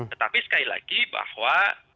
tetapi sekali lagi bahwa